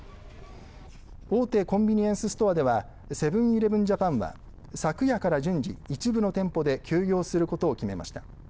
大手コンビニエンスストアではセブン−イレブン・ジャパンは昨夜から順次一部の店舗で休業することを決めました。